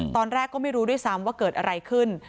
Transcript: ตอนแรกก็ไม่รู้ด้วยซ้ำว่าเกิดอะไรขึ้น